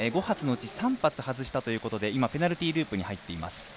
５発のうち３発外したということで今、ペナルティーループに入っています。